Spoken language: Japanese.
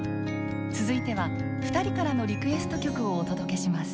続いては２人からのリクエスト曲をお届けします。